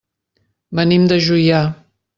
Venim de Juià.